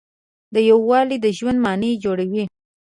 دا یووالی د ژوند معنی جوړوي.